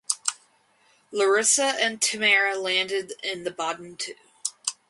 Larissa and Tamara landed in the bottom two.